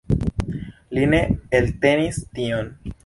Li ne eltenis tion.